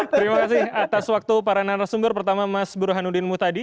terima kasih atas waktu para narasumber pertama mas burhanuddin mutadi